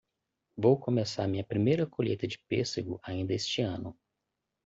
Vou começar minha primeira colheita de pêssego ainda este ano.